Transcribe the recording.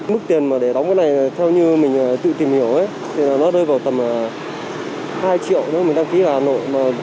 mức tiền để đóng cái này theo như mình tự tìm hiểu thì nó đôi vào tầm hai triệu nếu mình đăng ký hà nội